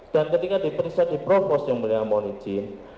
dan ketika diperiksa di provos yang mulia mohon izin